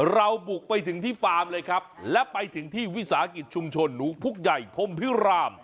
บุกไปถึงที่ฟาร์มเลยครับและไปถึงที่วิสาหกิจชุมชนหนูพุกใหญ่พรมพิราม